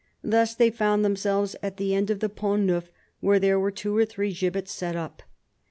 Thus they found themselves at the end of the Pont Neuf, where there were two or three gibbets set up."